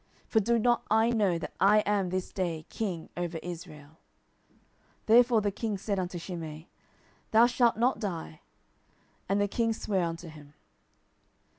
for do not I know that I am this day king over Israel? 10:019:023 Therefore the king said unto Shimei, Thou shalt not die. And the king sware unto him.